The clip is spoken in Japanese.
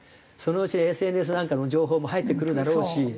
そのうちＳＮＳなんかの情報も入ってくるだろうし。